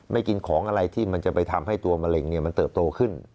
ไม่กินของอะไรที่มันจะไปทำให้ตัวมะเร็งมันเติบโตขึ้น